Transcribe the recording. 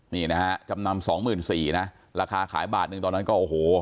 นี่นะฮะจำนำสองหมื่นสี่นะราคาขายบาทหนึ่งตอนนั้นก็โอ้โห